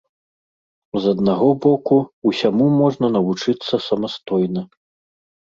З аднаго боку, усяму можна навучыцца самастойна.